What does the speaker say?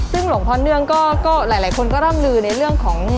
ซึ่งหลวงพ่อเนื่องก็หลายคนก็ร่ำลือในเรื่องของ